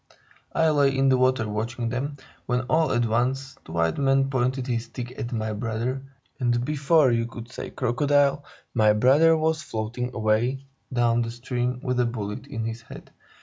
"I lay in the water watching them, when, all at once, the white man pointed his stick at my brother, and before you could say 'crocodile,' my brother was floating away down the stream with a bullet in his head.